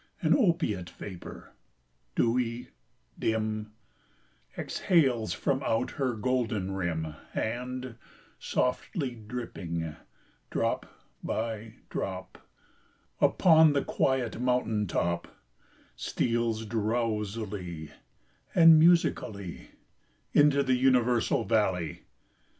An opiate vapor, dewy, dim, Exhales from out her golden rim, And, softly dripping, drop by drop, Upon the quiet mountain top, Steals drowsily and musically Into the universal valley.